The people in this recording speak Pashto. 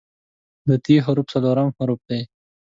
د "ت" حرف څلورم حرف دی.